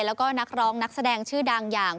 แล้วก็นักร้องนักแสดงชื่อดังอย่าง